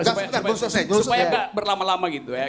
supaya nggak berlama lama gitu ya